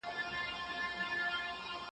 زه به سندري اورېدلي وي.